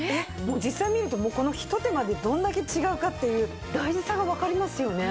実際見るとこのひと手間でどれだけ違うかっていう大事さがわかりますよね。